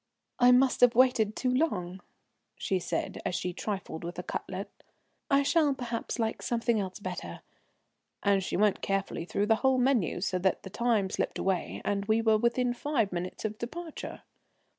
"I must have waited too long," she said, as she trifled with a cutlet. "I shall perhaps like something else better," and she went carefully through the whole menu, so that the time slipped away, and we were within five minutes of departure.